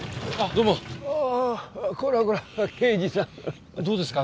どうですか？